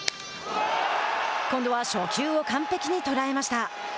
今度は初球を完璧に捉えました。